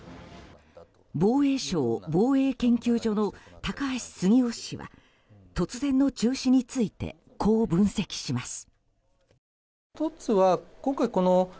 防衛省防衛研究所の高橋杉雄氏は突然の中止についてこう分析します。